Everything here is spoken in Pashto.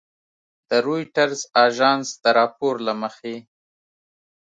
د رویټرز اژانس د راپور له مخې